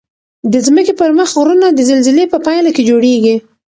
د ځمکې پر مخ غرونه د زلزلې په پایله کې جوړیږي.